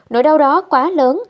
nỗi đau đó quá lớn